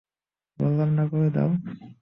বলরাম, করে দাও।